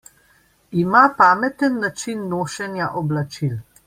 Ima pameten način nošenja oblačil.